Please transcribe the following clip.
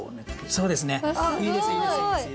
そうですねいいですいいです